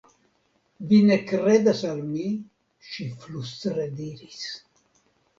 Vi ne kredas al mi, ŝi flustre diris.